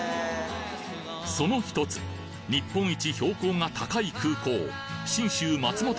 その１つ日本一標高が高い空港